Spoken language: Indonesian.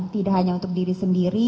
tidak hanya untuk diri sendiri